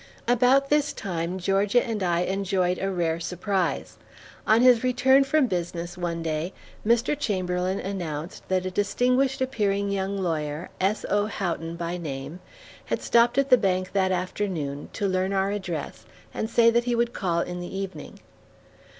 About this time Georgia and I enjoyed a rare surprise. On his return from business one day, Mr. Chamberlain announced that a distinguished appearing young lawyer, S.O. Houghton by name, had stopped at the bank that afternoon, to learn our address and say that he would call in the evening.